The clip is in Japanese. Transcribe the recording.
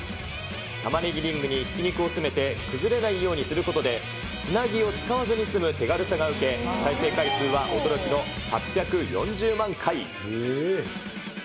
玉ねぎリングにひき肉を詰めて崩れないようにすることで、つなぎを使わずに済む手軽さが受け、再生回数は驚きの８４０万回。